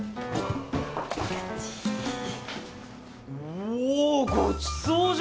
おおごちそうじゃん！